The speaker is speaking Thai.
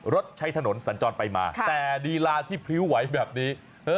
รถใช้ถนนสัญจรไปมาแต่ลีลาที่พริ้วไหวแบบนี้